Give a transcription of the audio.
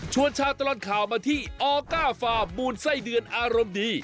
ชาวตลอดข่าวมาที่ออก้าฟาร์มูลไส้เดือนอารมณ์ดี